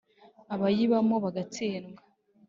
abayibamo bagatsindwa.